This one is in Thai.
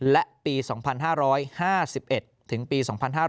และปี๒๕๕๑ถึงปี๒๕๕๙